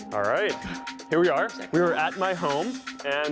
baiklah kita sudah di rumah saya